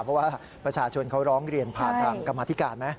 เพราะว่าประชาชนเขาร้องเรียนผ่านทางกรรมธิการไหม